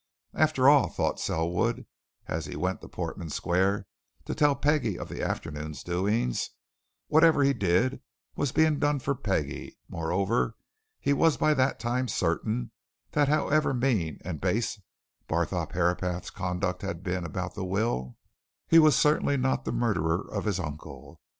After all, thought Selwood, as he went to Portman Square to tell Peggie of the afternoon's doings, whatever he did was being done for Peggie; moreover, he was by that time certain that however mean and base Barthorpe Herapath's conduct had been about the will, he was certainly not the murderer of his uncle.